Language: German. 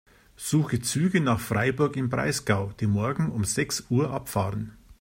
Suche Züge nach Freiburg im Breisgau, die morgen um sechs Uhr abfahren.